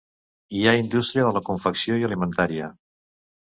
Hi ha indústria de la confecció i alimentària.